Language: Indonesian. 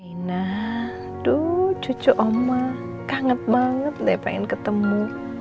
reina aduh cucu oma kangen banget gak pengen ketemu